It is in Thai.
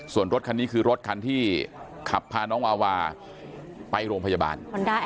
ส่วนรถคันนี้คือรถคันที่ขับพาน้องวาวาไปโรงพยาบาล